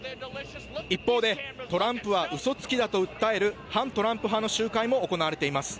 一方で、トランプはうそつきだと訴える反トランプ派の集会も行われています。